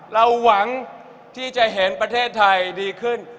เราหวังที่จะเห็นประเทศไทยดีขึ้น